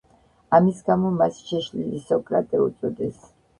ამის გამო მას „შეშლილი სოკრატე“ უწოდეს.